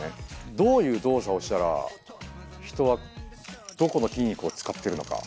どういう動作をしたら人はどこの筋肉を使っているのか。